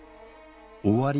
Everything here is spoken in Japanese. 終わり